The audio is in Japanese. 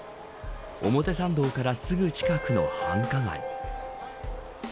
表参道からすぐ近くの繁華街。